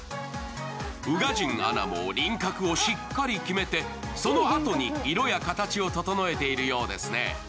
宇賀神アナも輪郭をしっかり決めて、そのあとに色や形を整えているようですね。